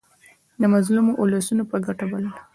د مظلومو اولسونو په ګټه بلله.